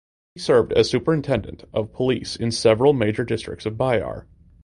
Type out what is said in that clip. He served as superintendent of police in several major districts of Bihar.